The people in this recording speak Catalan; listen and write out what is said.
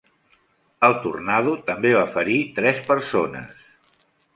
El tornado també va ferir tres persones.